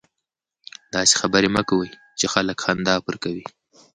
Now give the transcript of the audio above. داسي خبري مه کوئ! چي خلک خندا پر کوي.